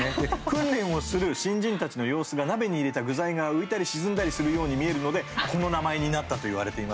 訓練をする新人たちの様子が鍋に入れた具材が浮いたり沈んだりするように見えるのでこの名前になった怖い！